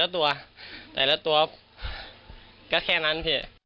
แต่ละตัวก็แค่นั้น